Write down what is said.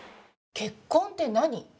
結婚って何？